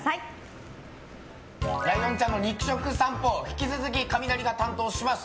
ライオンちゃんの肉食さんぽ引き続きカミナリが担当します。